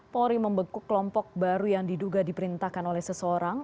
polri membekuk kelompok baru yang diduga diperintahkan oleh seseorang